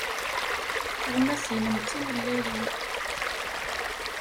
Tuɣmas-nnem d timelallin.